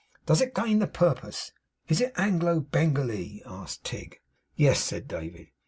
'Does it gain the purpose? Is it Anglo Bengalee?' asked Tigg. 'Yes,' said David.